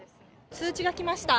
通知が来ました。